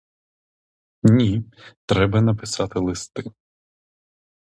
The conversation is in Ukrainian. Ні, треба написати листи.